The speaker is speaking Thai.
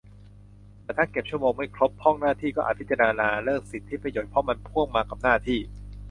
แต่ถ้าเก็บชั่วโมงไม่ครบ พร่องหน้าที่ ก็อาจพิจารณาเลิกสิทธิประโยชน์ เพราะมันพ่วงมากับหน้าที่